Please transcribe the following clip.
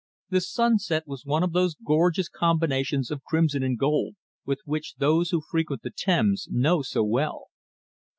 The sunset was one of those gorgeous combinations of crimson and gold which those who frequent the Thames know so well.